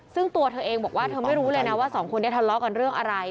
ซึ่งตัวเธอเองบอกว่าเธอไม่รู้เลยนะว่าสองคนนี้ทะเลาะกันเรื่องอะไร